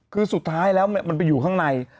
คือสุดท้ายแล้วมันไปอยู่ข้างใน